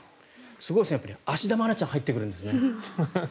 すごいですね、芦田愛菜ちゃん入ってくるんですね。